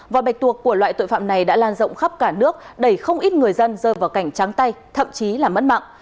và bạch tuộc của loại tội phạm này đã lan rộng khắp cả nước đẩy không ít người dân rơi vào cảnh trắng tay thậm chí là mất mạng